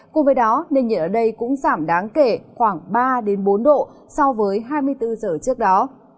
cùng với đó nền nhiệt ở đây cũng giảm đáng kể khoảng ba bốn độ so với hai mươi bốn giờ trước đó